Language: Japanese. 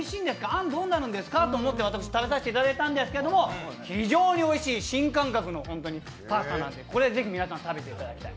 あん、どうなるんですかと思って私、食べさせていただいたんですけれども、非常においしい、新感覚のパスタなんでこれぜひ皆さん食べていただきたい。